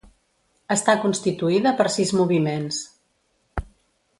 Està constituïda per sis moviments.